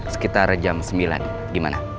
sekitar jam sembilan gimana